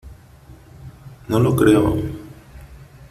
no lo creo .